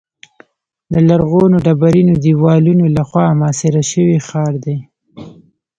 د لرغونو ډبرینو دیوالونو له خوا محاصره شوی ښار دی.